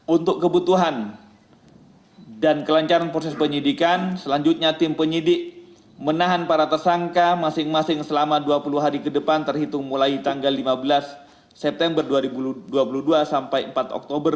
untuk kebutuhan dan kelancaran proses penyidikan selanjutnya tim penyidik menahan para tersangka masing masing selama dua puluh hari ke depan terhitung mulai tanggal lima belas september dua ribu dua puluh dua sampai empat oktober dua ribu dua